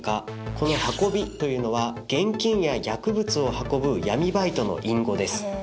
この「運び」というのは現金や薬物を運ぶ闇バイトの隠語です